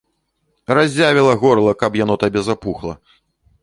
Разявіла горла, каб яно табе запухла!